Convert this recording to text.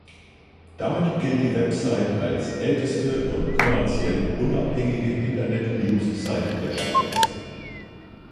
Damit gilt die Website als «älteste und kommerziell unabhängige Internet-News-Site der Schweiz».